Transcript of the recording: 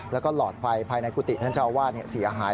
แล้วก็หลอดไฟภายในกุฏิท่านเจ้าอาวาสเสียหาย